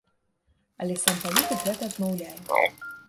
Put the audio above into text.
Але сам палітык гэта адмаўляе.